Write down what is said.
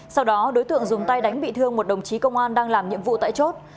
sau đó đối tượng dùng tay đánh bị thương một đồng chí công an đang làm nhiệm vụ tại chốt